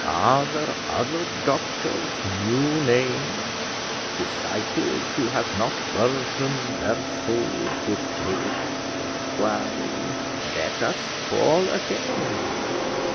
are there other doctors' new names, disciples who have not burdened their souls with tape? Well, let us call again.